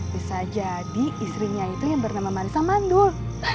bisa jadi istrinya itu yang bernama mansa mandul